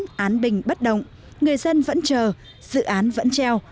sau động thổ dự án vẫn án bình bất động người dân vẫn chờ dự án vẫn treo